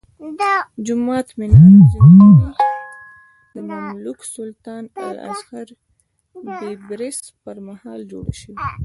جومات، منار او ځینې خونې د مملوک سلطان الظاهر بیبرس پرمهال جوړې شوې.